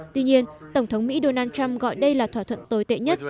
tuy nhiên tổng thống mỹ donald trump gọi đây là thỏa thuận tồi tệ nhất